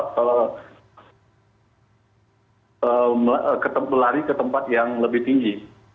melari ke tempat yang lebih tinggi